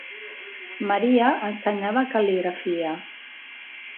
Maria ensenyava cal·ligrafia.